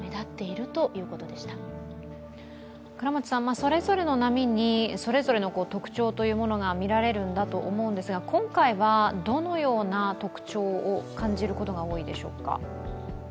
それぞれの波にそれぞれの特徴が見られると思うんですが今回はどのような特徴を感じることが多いでしょうか？